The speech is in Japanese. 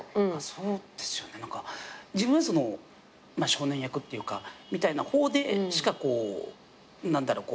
そうですよね何か自分少年役っていうかみたいな方でしか何だろう